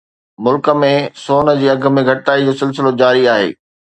ملڪ ۾ سون جي اگهه ۾ گهٽتائي جو سلسلو جاري آهي